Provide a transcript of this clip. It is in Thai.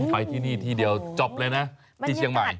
ไปที่นี่ที่เดียวจบเลยนะที่เชียงใหม่